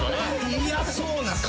嫌そうな顔。